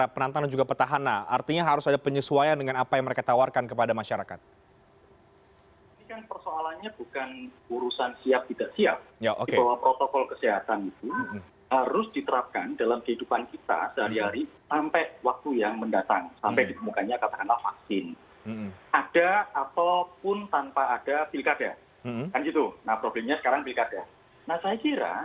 mas agus melas dari direktur sindikasi pemilu demokrasi